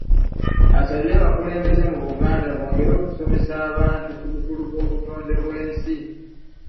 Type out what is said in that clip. Asabye abakulembeze mu Buganda bongere okusomesa abantu ku bukulu bw’obutonde bw’ensi.